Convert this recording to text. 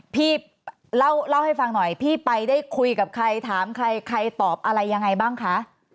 พี่เล่าให้ฟังหน่อยพี่ไปได้คุยกับใครถามใครใครตอบอะไรยังไงบ้างคะ